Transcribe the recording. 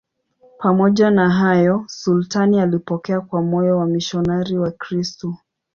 Pamoja na hayo, sultani alipokea kwa moyo wamisionari Wakristo.